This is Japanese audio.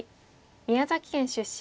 宮崎県出身。